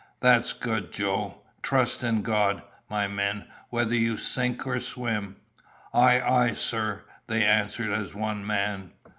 "That's good, Joe. Trust in God, my men, whether you sink or swim." "Ay, ay, sir!" they answered as one man.